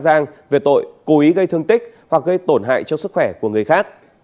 giang về tội cố ý gây thương tích hoặc gây tổn hại cho sức khỏe của người khác